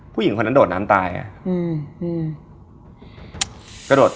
ผู้หญิงคนนั้นโดดน้ำตายไง